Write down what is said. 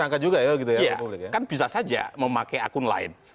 kan bisa saja memakai akun lain